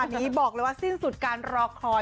อันนี้บอกเลยว่าสิ้นสุดการรอคอย